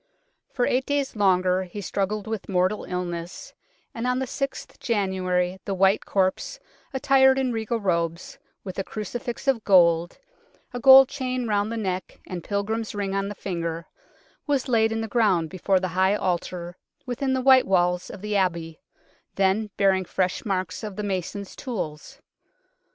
For eight days longer he struggled with mortal illness, and on the 6th January the white corpse, attired in regal robes, with a crucifix of gold, a gold chain round the neck and pilgrim's ring on the finger, was laid in the ground before the high altar within the white walls of the Abbey, then bearing fresh marks of the mason's tools.